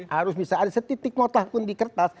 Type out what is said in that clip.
harus misalnya ada setitik notah pun di kertas